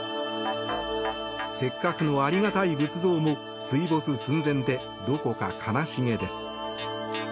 せっかくのありがたい仏像も水没寸前で、どこか悲し気です。